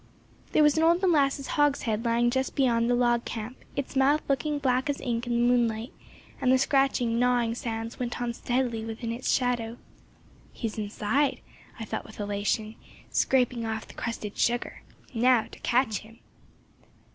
There was an old molasses hogshead lying just beyond the log camp, its mouth looking black as ink in the moonlight, and the scratching gnawing sounds went on steadily within its shadow. "He's inside," I thought with elation, "scraping off the crusted sugar. Now to catch him!"